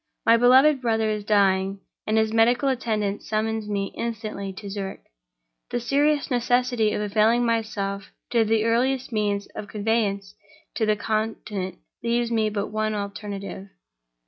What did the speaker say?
My beloved brother is dying and his medical attendant summons me instantly to Zurich. The serious necessity of availing myself of the earliest means of conveyance to the Continent leaves me but one alternative.